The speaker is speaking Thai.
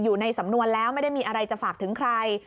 อยู่ในสำนวนแล้วไม่ได้มีอะไรจะฝากถึงใคร